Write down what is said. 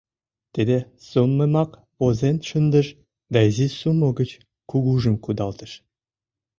Тиде суммымак возен шындыш да изи суммо гыч кугужым кудалтыш.